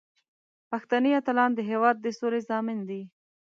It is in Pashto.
پښتني اتلان د هیواد د سولې ضامن دي.